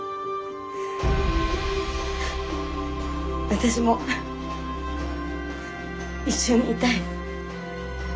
私も一緒にいたい。